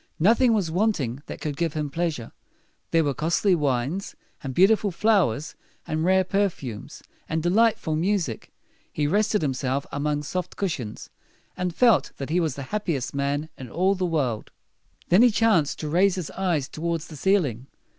Nothing was wanting that could give him pleasure. There were costly wines, and beautiful flowers, and rare perfumes, and de light ful music. He rested himself among soft cushions, and felt that he was the happiest man in all the world. [Illustration: The Sword of Damocles.] Then he chanced to raise his eyes toward the ceiling.